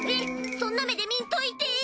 そんな目で見んといて。